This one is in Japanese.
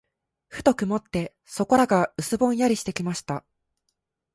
ふと曇って、そこらが薄ぼんやりしてきました。